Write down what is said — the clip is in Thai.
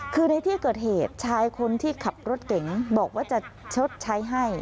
คือในที่เกิดเหตุชายคนที่ขับรถเก๋งบอกว่าจะชดใช้ให้